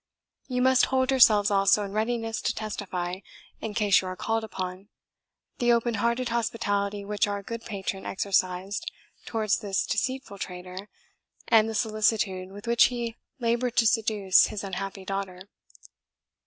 "You must hold yourselves also in readiness to testify, in case you are called upon, the openhearted hospitality which our good patron exercised towards this deceitful traitor, and the solicitude with which he laboured to seduce his unhappy daughter."